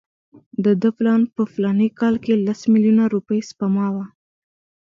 د ده پلان په فلاني کال کې لس میلیونه روپۍ سپما وه.